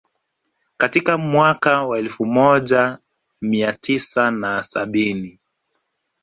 Katika mwaka wa elfu moj mia tisa na sabini